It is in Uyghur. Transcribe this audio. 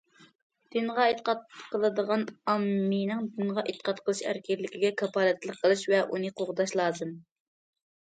دىنغا ئېتىقاد قىلىدىغان ئاممىنىڭ دىنغا ئېتىقاد قىلىش ئەركىنلىكىگە كاپالەتلىك قىلىش ۋە ئۇنى قوغداش لازىم.